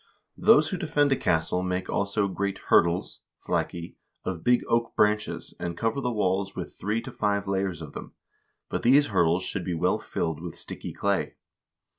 Those who defend a castle make also great hurdles (flaki) 2 of big oak branches and cover the walls with three to five layers of them, but these hurdles should be well filled with sticky clay.